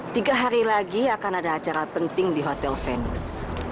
tiga hari lagi akan ada acara penting di hotel venus